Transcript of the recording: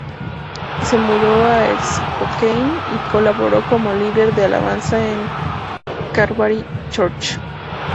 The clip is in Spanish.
Se mudó a Spokane y colaboró como líder de alabanza en Calvary Church.